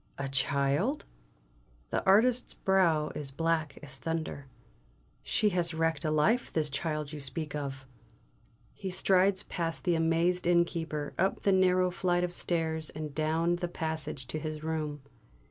"A child?" The artist's brow is black as thunder. "She has wrecked a life, this child you speak of!" He strides past the amazed innkeeper, up the narrow flight of stairs, and down the passage to his room.